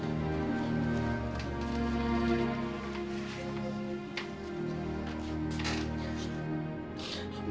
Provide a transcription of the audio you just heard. ampuni kami ya allah